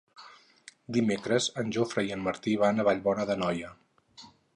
Dimecres en Jofre i en Martí van a Vallbona d'Anoia.